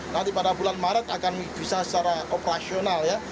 nanti pada bulan maret akan bisa secara operasional ya